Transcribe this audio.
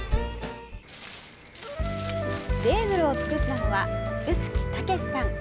ベーグルを作ったのは臼杵健さん。